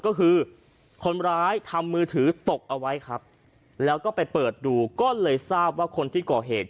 ก็คือคนร้ายทำมือถือตกเอาไว้ครับแล้วก็ไปเปิดดูก็เลยทราบว่าคนที่ก่อเหตุ